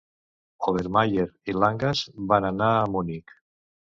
Obermaier i Langhans van anar a Munic.